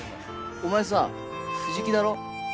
お前さ藤木だろ？